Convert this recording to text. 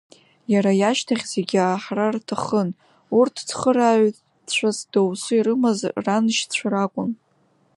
Иара иашьҭахь зегьы аҳра рҭахын, урҭ цхырааҩцәас доусы ирымаз раншьцәа ракәын.